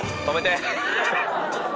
止めて！